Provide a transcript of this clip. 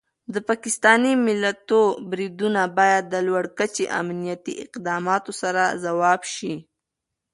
د پاکستاني ملیشو بریدونه باید د لوړ کچې امنیتي اقداماتو سره ځواب شي.